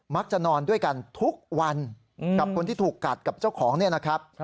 นอนด้วยกันทุกวันกับคนที่ถูกกัดกับเจ้าของเนี่ยนะครับ